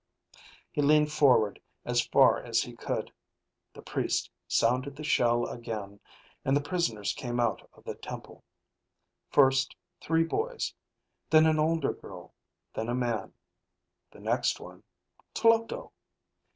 He leaned forward as far as he could. The priest sounded the shell again and the prisoners came out of the temple: first three boys, then an older girl, then a man. The next one ... Tloto!